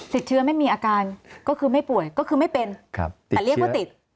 เชื้อไม่มีอาการก็คือไม่ป่วยก็คือไม่เป็นแต่เรียกว่าติด